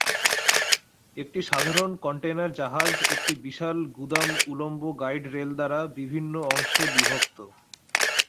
একটি সাধারণ কন্টেইনার জাহাজ একটি বিশাল গুদাম উল্লম্ব গাইড রেল দ্বারা বিভিন্ন অংশে বিভক্ত।